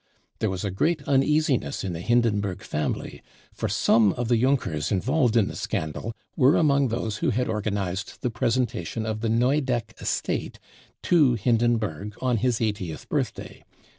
There was a great uneasiness in the Hindenburg family, for some of the Junkers involved in the scandal were among those who had organised the presentation of the Neudeck estate to Hindenburg on his eightieth birthday.